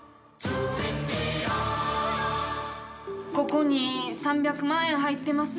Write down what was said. ここに３００万円入ってます。